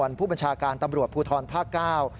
ผู้บัญชาการตำรวจภูทรภาคเก้า